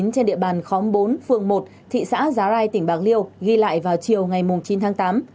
trên địa bàn khóm bốn phường một thị xã giá rai tỉnh bạc liêu ghi lại vào chiều ngày chín tháng tám